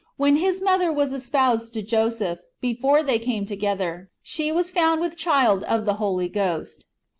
When His mother was espoused to Joseph, before they came together, she was found with child of the Holy Ghost."